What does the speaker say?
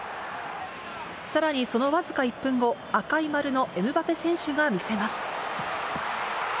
さらにその僅か１分後、赤い丸のエムバペ選手が見せます。